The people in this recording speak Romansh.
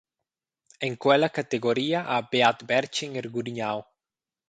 En quella categoria ha Beat Bertschinger gudignau.